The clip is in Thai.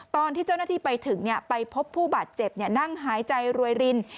ตอนที่เจ้าหน้าที่ไปถึงไปพบผู้บาดเจ็บนั่งหายใจรวยริน